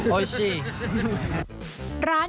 อร่อยค่ะแล้วก็ถูกคุ้มค่ากับอาหารราคาคุ้มค่ากับอาหาร